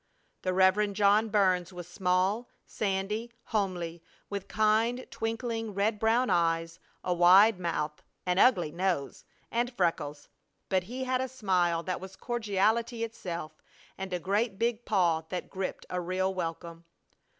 The Rev. John Burns was small, sandy, homely, with kind, twinkling red brown eyes, a wide mouth, an ugly nose, and freckles; but he had a smile that was cordiality itself, and a great big paw that gripped a real welcome.